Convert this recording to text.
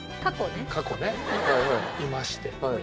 過去ねいまして。